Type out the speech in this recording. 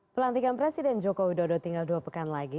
pelantikan presiden jokowi dodo tinggal dua pekan lagi